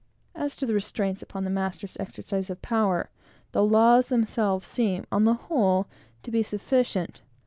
As to the restraints upon the master's exercise of power, the laws themselves seem, on the whole, to be sufficient.